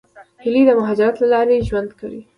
هیلۍ د مهاجرت له لارې ژوند کوي